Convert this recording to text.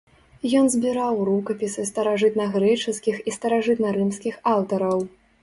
Ён збіраў рукапісы старажытнагрэчаскіх і старажытнарымскіх аўтараў.